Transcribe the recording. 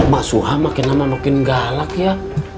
mbak suha makin lama makin galak ya